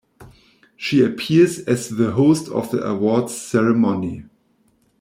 She appears as the host of the awards ceremony.